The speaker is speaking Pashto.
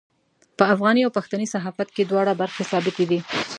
په افغاني او پښتني صحافت کې دواړه برخې ثابتې دي.